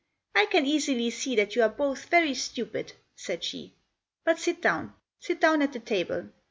"I can easily see that you are both very stupid," said she. "But sit down; sit down at the table.